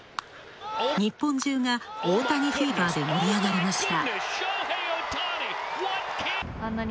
日本中が大谷フィーバーで盛り上がりました。